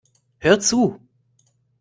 Hör zu!